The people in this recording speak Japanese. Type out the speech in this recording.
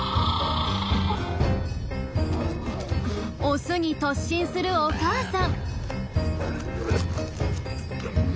オスに突進するお母さん。